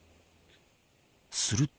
すると。